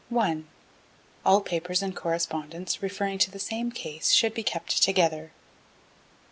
1. All papers and correspondence referring to the same case should be kept together.